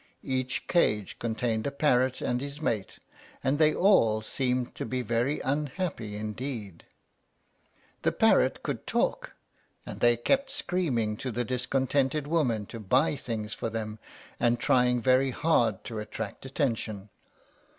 Each cage contained a parrot and his mate, and they all seemed to be very unhappy indeed. The parrots could talk, and they kept screaming to the discontented women to buy things for them, and trying very hard to attract attention.